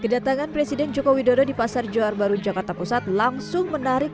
kedatangan presiden jokowi dodo di pasar johor bahru jakarta pusat langsung menarik